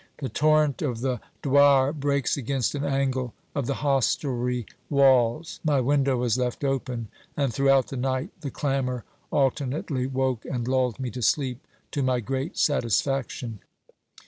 The torrent of the Doire breaks against an angle of the hostelry walls. My window was left open, and throughout the night the clamour alternately woke and lulled me to sleep, to my great satisfaction.